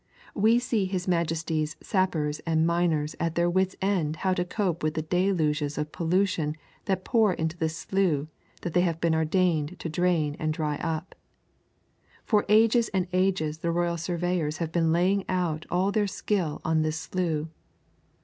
We see His Majesty's sappers and miners at their wits' end how to cope with the deluges of pollution that pour into this slough that they have been ordained to drain and dry up. For ages and ages the royal surveyors have been laying out all their skill on this slough.